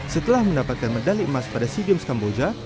setelah mendapatkan medali emas pada sea games kamboja